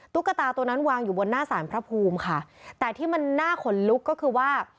ตุ๊กตาตัวนั้นวางอยู่บนหน้าสารพระภูมิค่ะแต่ที่มันน่าขนลุกก็คือว่า